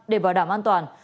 để bảo đảm an toàn